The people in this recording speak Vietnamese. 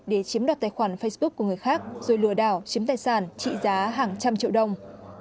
để chiếm đoạt tài khoản facebook của người khác rồi lừa đảo chiếm tài sản trị giá hàng trăm triệu đồng